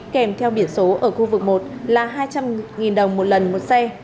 kèm theo biển số ở khu vực một là hai trăm linh đồng một lần một xe